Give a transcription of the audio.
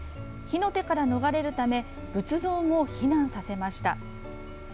火の手から逃れるため仏像も避難させました。